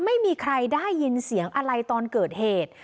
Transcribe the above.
ไม่มีใครได้ยินเสียงอะไรตอนเกิดเหตุ